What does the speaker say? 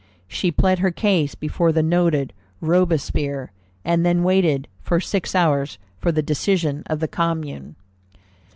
She plead her case before the noted Robespierre, and then waited for six hours for the decision of the Commune.